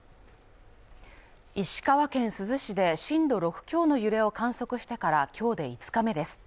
石川県珠洲市で震度６強の揺れを観測してから今日で５日目です。